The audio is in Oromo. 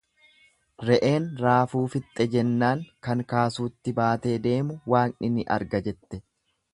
Re'een raafuu fixxe jennaan kan kaasuutti baatee deemu Waaqni ni arga jette.